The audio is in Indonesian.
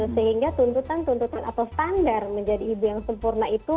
sehingga tuntutan tuntutan atau standar menjadi ibu yang sempurna itu